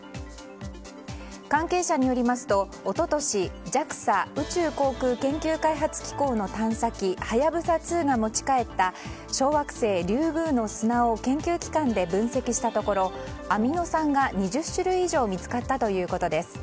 関係者によりますと、一昨年ＪＡＸＡ・宇宙航空研究開発機構の探査機「はやぶさ２」が持ち帰った小惑星リュウグウの砂を研究機関で分析したところアミノ酸が２０種類以上見つかったということです。